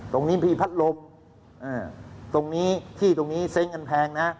ตรงนี้มีพัดลมตรงนี้ที่ตรงนี้เซ้งกันแพงนะ